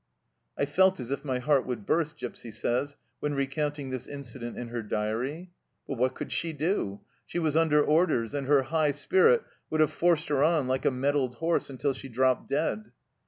" 1 felt as if my heart would burst," Gipsy says, when recounting this incident in her diary. But what could she do ? She was under orders, and her high spirit would have forced her on like a mettled horse until she dropped dead.